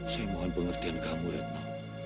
saya mohon pengertian kamu retno